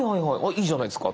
いいじゃないですか。